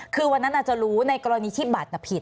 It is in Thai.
คือวันนั้นอาจจะรู้ในกรณีที่บัตรผิด